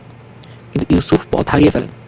কিন্তু ইউসুফ পথ হারিয়ে ফেলেন।